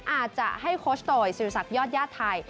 อาจจะให้โคชโตยศิริษักยอดญาติไทย